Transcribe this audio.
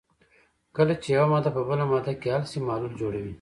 کله چې یوه ماده په بله ماده کې حل شي محلول جوړوي.